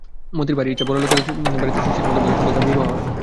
মতির ভারি ইচ্ছা, বড়োলোকের বাড়িতে শশীর মতো বরের সঙ্গে তার বিবাহ হয়।